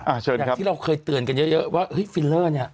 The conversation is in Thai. หากที่เราเคยเตือนกันเยอะว่าเฮ้ยฟิลเลอร์นี่